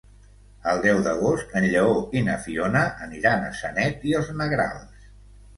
El deu d'agost en Lleó i na Fiona aniran a Sanet i els Negrals.